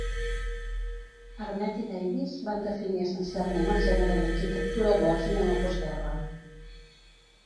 Armet i Davis van definir essencialment el gènere d'arquitectura Googie en la postguerra.